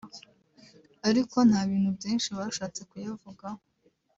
ariko nta bintu byinshi bashatse kuyavugaho